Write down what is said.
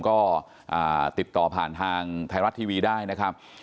ก็ติดต่อผ่านทางไทยรัฐทีวีได้นะครับ